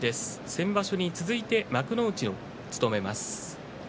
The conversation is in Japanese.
先場所に続いて幕内を務めます。